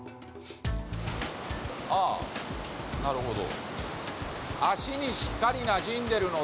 ああ、なるほど。